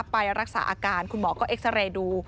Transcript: ไปรักษาอาการคุณหมอก็เอ็กซาเรย์ดู